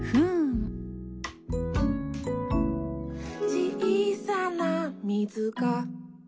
「ちいさなみずが」